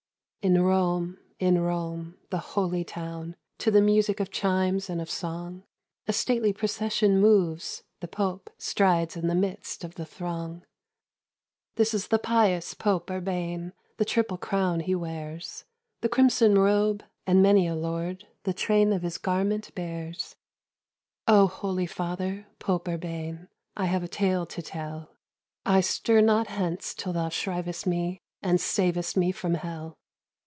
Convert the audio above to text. In Rome, in Rome, in the holy town, To the music of chimes and of song, A stately procession moves, the Pope Strides in the midst of the throng. This is the pious Pope Urbain; The triple crown he wears, The crimson robe, and many a lord The train of his garment bears. "Oh, holy Father, Pope Urbain, I have a tale to tell; I stir not hence, till thou shrivest me, And savest me from hell."